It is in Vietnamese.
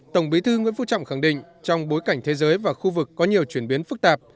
tổng bí thư nguyễn phú trọng khẳng định trong bối cảnh thế giới và khu vực có nhiều chuyển biến phức tạp